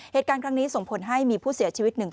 เหตุการณ์ครั้งนี้ส่งผลให้มีผู้เสียชีวิตหนึ่ง